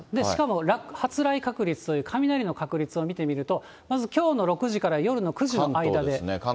さらに、発雷確率という、雷の確率を見てみると、まずきょうの６時から夜の９時の間で。